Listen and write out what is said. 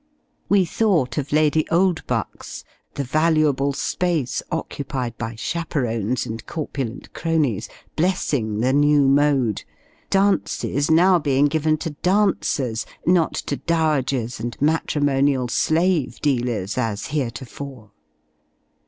We thought of Lady Oldbuck's the valuable space occupied by chaperones and corpulent cronies, blessing the new mode; dances now being given to dancers, not to dowagers and matrimonial slave dealers, as heretofore.